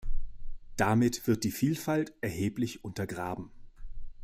Damit wird die Vielfalt erheblich untergraben.